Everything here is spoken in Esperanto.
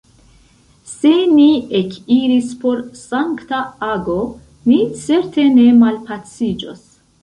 Se ni ekiris por sankta ago, ni certe ne malpaciĝos!